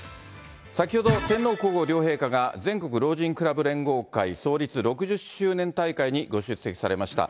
先ほど、天皇皇后両陛下が、全国老人クラブ連合会創立６０周年大会にご出席されました。